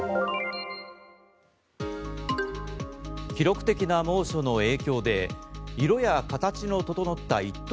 記録的な猛暑の影響で色や形の整った一等